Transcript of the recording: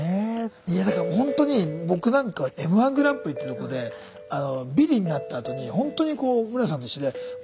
いやだからほんとに僕なんかはＭ−１グランプリってとこでビリになったあとにほんとに室屋さんと一緒で恥ずかしい。